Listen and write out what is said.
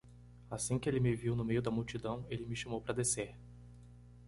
Assim que ele me viu no meio da multidão? ele me chamou para descer.